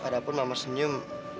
padahal mama senyum